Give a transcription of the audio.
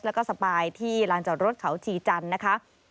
แล้วก็สปายที่ลานจอดรถเขาชีจันทร์นะคะ